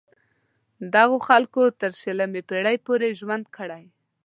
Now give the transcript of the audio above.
دغو خلکو تر شلمې پیړۍ پورې ژوند کړی.